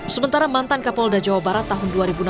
sementara mantan kapolda jawa barat tahun dua ribu enam belas